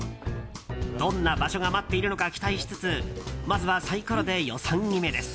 どんな場所が待っているのか期待しつつまずはサイコロで予算決めです。